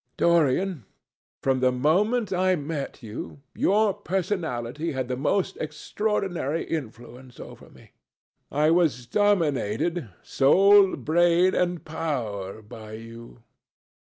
Dorian, from the moment I met you, your personality had the most extraordinary influence over me. I was dominated, soul, brain, and power, by you.